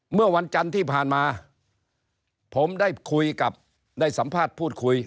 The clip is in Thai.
เมื่อวันจันทร์ที่ผ่านมาผมได้คุยกับได้สัมภาษณ์พูดคุย